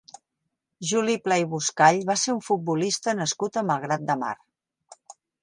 Juli Pla i Buscall va ser un futbolista nascut a Malgrat de Mar.